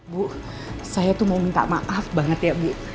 bu saya tuh mau minta maaf banget ya bu